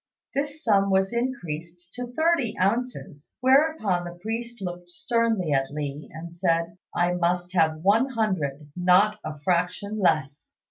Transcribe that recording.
This sum was increased to thirty ounces, whereupon the priest looked sternly at Li and said, "I must have one hundred; not a fraction less."